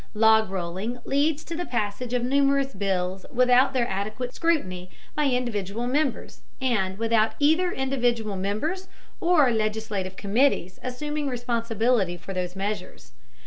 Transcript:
Log rolling leads to the passage of numerous bills without their adequate scrutiny by individual members, and without either individual members or legislative committees assuming responsibility for those measures.